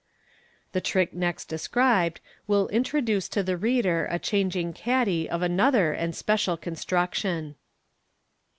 The trick next described will introduce to the reader a changing caddy of another and special construction.